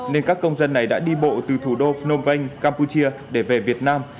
nên các công dân này đã đi bộ từ thủ đô phnom penh campuchia để về việt nam